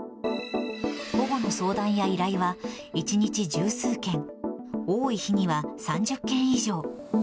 保護の相談や依頼は１日十数件、多い日には３０件以上。